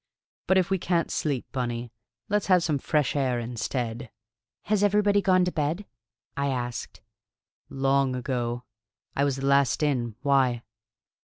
But if we can't sleep, Bunny, let's have some fresh air instead." "Has everybody gone to bed?" I asked. "Long ago. I was the last in. Why?"